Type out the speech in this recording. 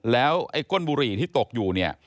แล้วไอ้ก้นบุหรี่ที่ตกอยู่เนี่ย